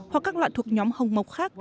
hoặc các loạn thuộc nhóm hồng mộc khác